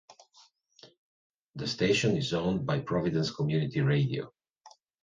The station is owned by Providence Community Radio.